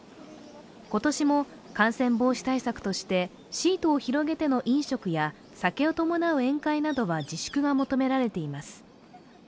今年も感染防止対策としてシートを広げての飲食や酒を伴う宴会などは自粛が求められています。